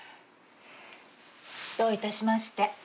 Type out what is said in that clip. どういたしまして。